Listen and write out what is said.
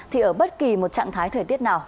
thì ở bất kỳ một trạng thái thời tiết nào